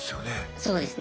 そうですね。